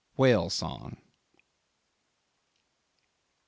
—Whale Song.